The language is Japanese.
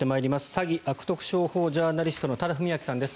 詐欺・悪徳商法ジャーナリストの多田文明さんです。